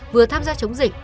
vừa tham gia chống dịch